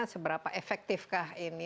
seberapa efektif kah ini